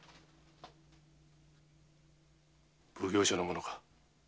奉行所の者か？